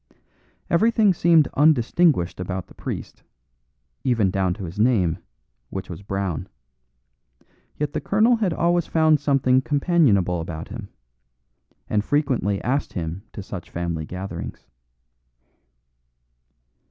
Everything seemed undistinguished about the priest, even down to his name, which was Brown; yet the colonel had always found something companionable about him, and frequently asked him to such family gatherings.